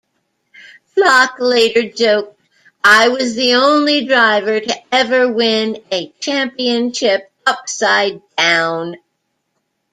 Flock later joked, I was the only driver to ever win a championship upside-down.